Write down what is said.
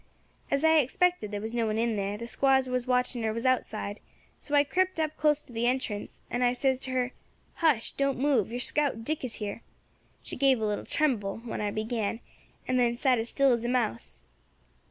As I expected, there was no one in there, the squaws as was watching her was outside; so I crept up close to the entrance, and I says to her, 'Hush! don't move, your scout Dick is here.' She gave a little tremble when I began, and then sat as still as a mouse.